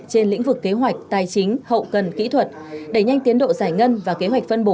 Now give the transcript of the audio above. trên lĩnh vực kế hoạch tài chính hậu cần kỹ thuật đẩy nhanh tiến độ giải ngân và kế hoạch phân bổ